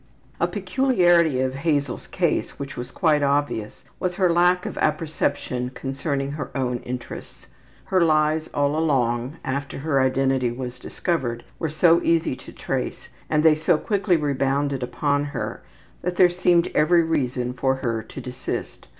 A peculiarity of Hazel's case which was quite obvious was her lack of apperception concerning her own interests. Her lies all along, after her identity was discovered, were so easy to trace, and they so quickly rebounded upon her, that there seemed every reason for her to desist.